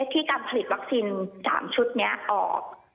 ที่การผลิตวัคซีน๓ชุดนี้ออก